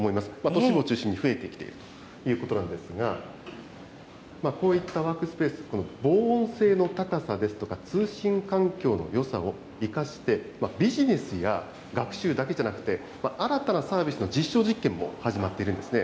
都市部を中心に増えてきているということなんですが、こういったワークスペース、この防音性の高さですとか通信環境のよさを生かして、ビジネスや学習だけじゃなくて、新たなサービスの実証実験も始まっているんですね。